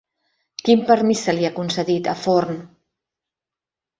Quin permís se li ha concedit a Forn?